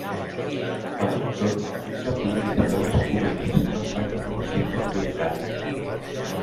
Malgrat tot, dins la política d'obres públiques no es tracta d'un projecte prioritari.